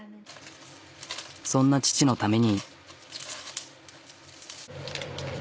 そんな父のために。